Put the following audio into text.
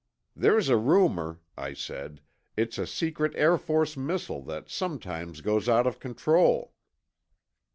"There's a rumor," I said, "it's a secret Air Force missile that sometimes goes out of control."